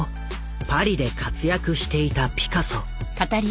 パリで活躍していたピカソ。